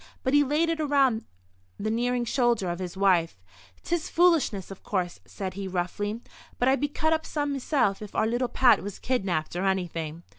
But he laid it around the nearing shoulder of his wife. "'Tis foolishness, of course," said he, roughly, "but I'd be cut up some meself if our little Pat was kidnapped or anything.